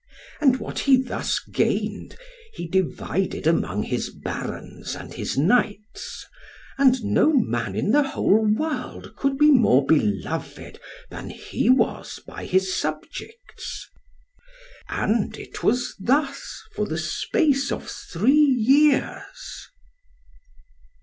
And what he thus gained, he divided among his Barons, and his Knights; and no man in the whole world could be more beloved than he was by his subjects. And it was thus for the space of three years.